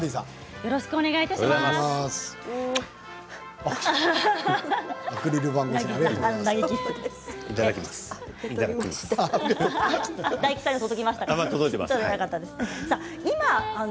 よろしくお願いします。